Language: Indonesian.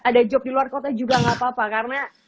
ada job di luar kota juga nggak apa apa karena